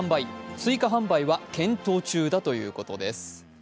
追加販売は検討中だということです。